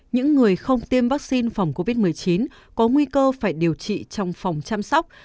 những người không tiêm vaccine phòng covid một mươi chín có nguy cơ phải điều trị trong phòng chăm sóc